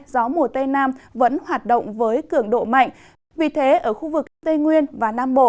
gió mùa tây nam vẫn hoạt động với cường độ mạnh vì thế ở khu vực tây nguyên và nam bộ